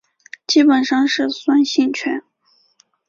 基本上是酸性泉。